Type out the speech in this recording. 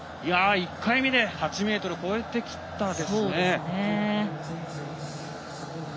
１回目で８ｍを超えてきたですね。